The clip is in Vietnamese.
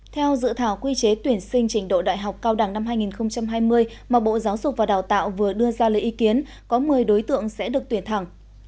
theo dự thảo quy chế tuyển sinh trình độ đại học cao đẳng năm hai nghìn hai mươi mà bộ giáo dục và đào tạo vừa đưa ra lời ý kiến có một mươi đối tượng sẽ được tuyển thẳng